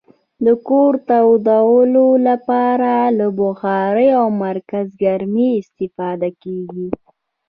د کور تودولو لپاره له بخارۍ او مرکزګرمي استفاده کیږي.